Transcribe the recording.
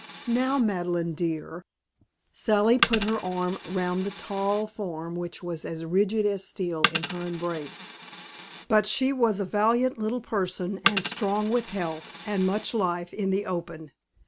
"Now, Madeleine, dear." Sally put her arm round the tall form which was as rigid as steel in her embrace. But she was a valiant little person and strong with health and much life in the open.